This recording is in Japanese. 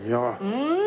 うん！